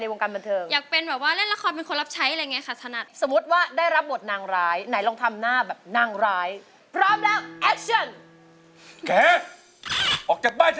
ด้วยความใจในส่วนพลาดพวกเต๋ม